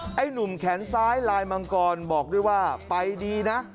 และก็มีการกินยาละลายริ่มเลือดแล้วก็ยาละลายขายมันมาเลยตลอดครับ